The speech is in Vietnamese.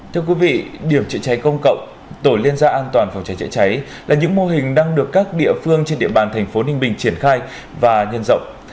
thưa quý vị điểm chữa cháy công cộng tổ liên gia an toàn phòng cháy chữa cháy là những mô hình đang được các địa phương trên địa bàn thành phố ninh bình triển khai và nhân rộng